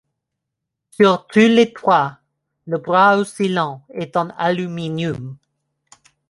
Sur toutes les trois, le bras oscillant est en aluminium.